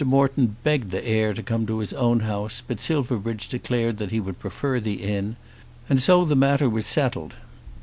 Morton begged the heir to come to his own house; but Silverbridge declared that he would prefer the Inn, and so the matter was settled.